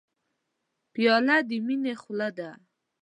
پیاله د مینې خوله ده.